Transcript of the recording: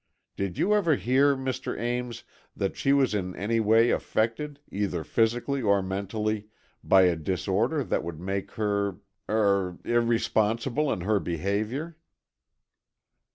Did you ever hear, Mr. Ames, that she was in any way affected, either physically or mentally, by any disorder that would make her—er—irresponsible in her behaviour?"